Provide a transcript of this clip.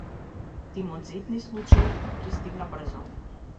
Тимот за итни случаи пристигна брзо.